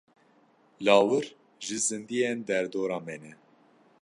Lawir ji zindiyên derdora me ne.